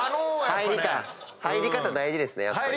入り方大事ですね。